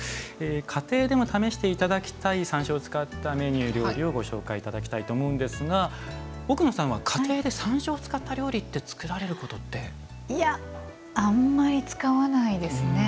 家庭でも試していただきたい山椒を使ったメニュー料理をご紹介いただきたいと思うんですが、奥野さんはご自宅で山椒を使った料理って作られることって？いやあんまり使わないですね。